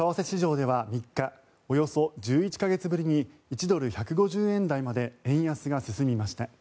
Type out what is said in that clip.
外国為替市場では３日およそ１１か月ぶりに１ドル＝１５０円台まで円安が進みました。